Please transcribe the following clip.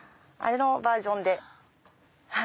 あれのバージョンで。